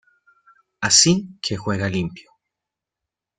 Así que juega limpio.